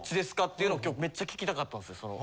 っていうのを今日めっちゃ聞きたかったんですよ。